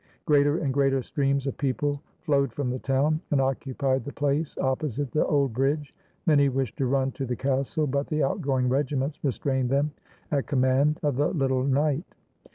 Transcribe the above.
Greater and greater streams of people flowed from the town, and occupied the place opposite the old bridge. Many wished to run to the castle; but the outgoing regiments re strained them, at command of the little knight.